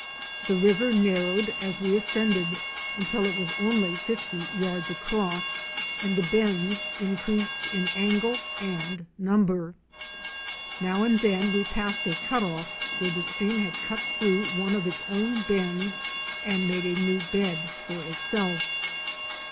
The river nar rowed as we ascended until it was only fifty yards across and the bends increased in angle and number. Now and then we passed a cut off where the stream had cut through one of its own bends and made a new bed for itself.